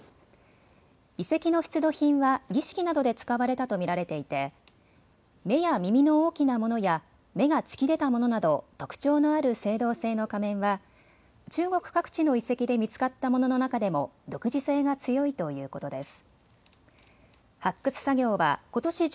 遺跡の出土品は儀式などで使われたと見られていて目や耳の大きなものや目が突き出たものなど特徴のある青銅製の仮面は中国各地の遺跡で見つかったものの中でも独自性が強いということです。